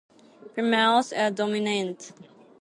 Females are dominant.